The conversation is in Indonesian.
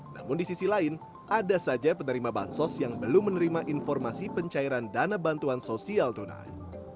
namun di sisi lain ada saja penerima bansos yang belum menerima informasi pencairan dana bantuan sosial tunai